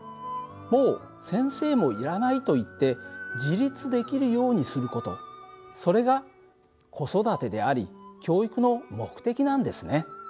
「もう先生もいらない」と言って自立できるようにする事それが子育てであり教育の目的なんですね。